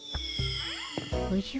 おじゃ？